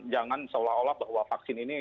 jangan seolah olah bahwa vaksin ini